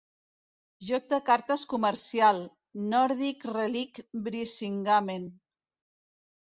Joc de cartes comercial, "Nordic Relic Brisingamen".